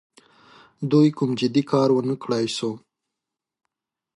دوی کوم جدي کار ونه کړای سو.